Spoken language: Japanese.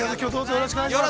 ◆よろしくお願いします。